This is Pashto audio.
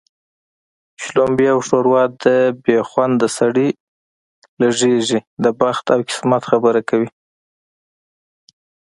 شلومبې او ښوروا د بې خونده سړي لږېږي د بخت او قسمت خبره کوي